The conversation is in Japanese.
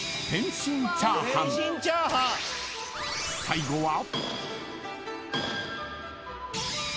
［最後は］